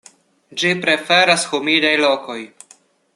Ĝi preferas humidaj lokoj.